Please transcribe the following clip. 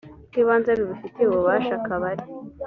rw ibanze rubifitiye ububasha akaba ari